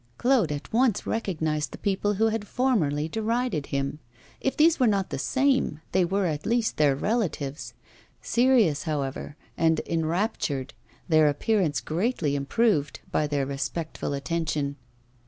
Claude at once recognised the people who had formerly derided him if these were not the same, they were at least their relatives serious, however, and enraptured, their appearance greatly improved by their respectful attention.